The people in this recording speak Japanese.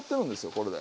これで。